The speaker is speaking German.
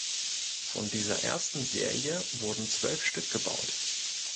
Von dieser ersten Serie wurden zwölf Stück gebaut.